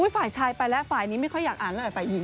ฝ่ายชายไปแล้วฝ่ายนี้ไม่ค่อยอยากอ่านอะไรฝ่ายหญิง